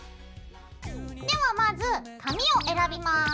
ではまず紙を選びます。